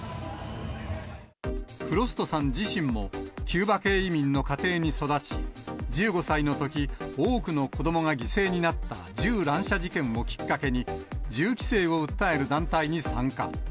フロストさん自身も、キューバ系移民の家庭に育ち、１５歳のとき、多くの子どもが犠牲になった銃乱射事件をきっかけに、銃規制を訴える団体に参加。